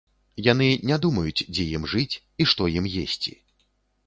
Яны не думаюць, дзе ім жыць і што ім есці.